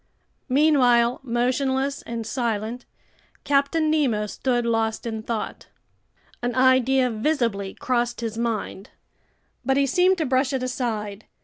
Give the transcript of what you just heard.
Meanwhile, motionless and silent, Captain Nemo stood lost in thought. An idea visibly crossed his mind. But he seemed to brush it aside.